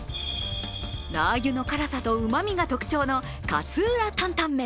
ラー油の辛さとうまみが特徴の勝浦タンタン麺。